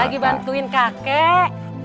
lagi bantuin kakek